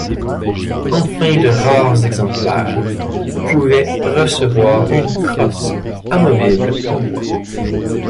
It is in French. Enfin de rares exemplaires pouvaient recevoir une crosse amovible en bois.